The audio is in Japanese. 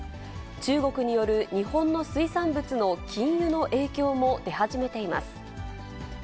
中国による日本の水産物の禁輸の影響も出始めています。